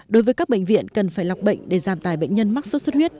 đối với các bệnh viện cần phải lọc bệnh để giảm tài bệnh nhân mắc sốt xuất huyết